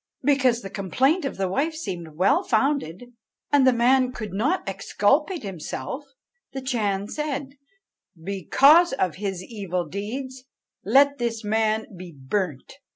Because the complaint of the wife seemed well founded, and the man could not exculpate himself, the Chan said, 'Because of his evil deeds, let this man be burnt.'